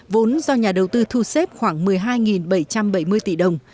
vốn do nhà đầu tư thu xếp khoảng một mươi hai bảy trăm bảy mươi tỷ đồng